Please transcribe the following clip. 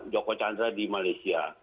joko chandra di malaysia